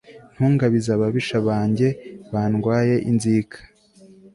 ntungabize ababisha banjye bandwaye inzika